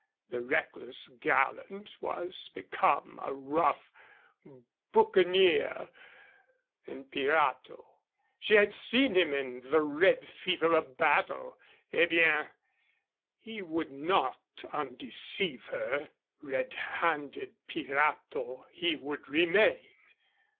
The reckless gallant was become a rough boucanier and pirato. She had seen him in the red fever of battle. Eh bien. He would not undeceive her. Red handed pirato he would remain.